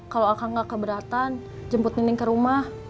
kalau akang gak keberatan jemput nining ke rumah